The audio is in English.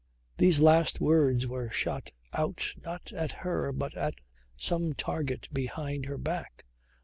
These last words were shot out not at her but at some target behind her back.